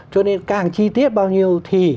cho nên càng chi tiết bao nhiêu thì